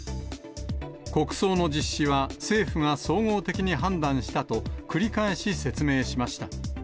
国葬の実施は、政府が総合的に判断したと、繰り返し説明しました。